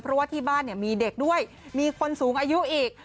เพราะว่าที่บ้านมีเด็กด้วยมีคนสูงอายุอีก